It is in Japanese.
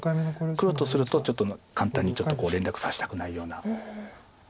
黒とするとちょっと簡単に連絡させたくないような場面です。